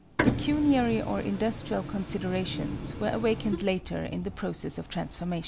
Pecuniary or industrial considerations were awakened later in the process of transformation.